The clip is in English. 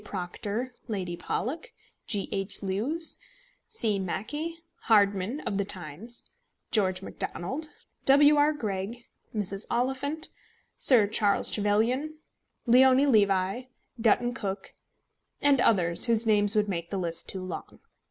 Proctor, Lady Pollock, G. H. Lewes, C. Mackay, Hardman (of the Times), George Macdonald, W. R. Greg, Mrs. Oliphant, Sir Charles Trevelyan, Leoni Levi, Dutton Cook, and others, whose names would make the list too long.